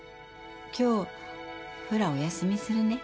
今日フラお休みするね。